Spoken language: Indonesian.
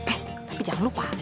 eh tapi jangan lupa